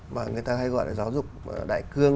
và người ta hay gọi là giáo dục đại cương